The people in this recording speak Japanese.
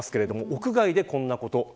屋外でこんなこと。